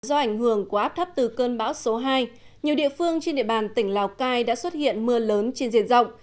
do ảnh hưởng của áp thấp từ cơn bão số hai nhiều địa phương trên địa bàn tỉnh lào cai đã xuất hiện mưa lớn trên diện rộng